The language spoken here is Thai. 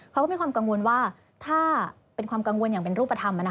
เขาก็มีความกังวลว่าถ้าเป็นความกังวลอย่างเป็นรูปธรรม